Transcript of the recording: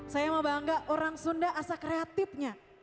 saya mah bangga orang sunda asa kreatifnya